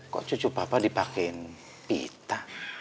kok cucu papa dipakaiin pita